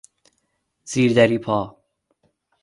زیر دری پا